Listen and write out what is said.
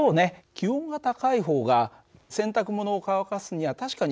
気温が高い方が洗濯物を乾かすには確かにいいよね。